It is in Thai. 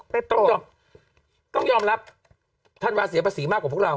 ป้นต้องไปรับท่านว่าเสียภาษีมากกว่าพวกเรา